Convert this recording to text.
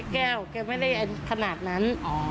แก้วแก้วไม่ได้ขนาดนั้น